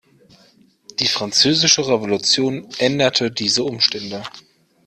Die Französische Revolution änderte diese Umstände.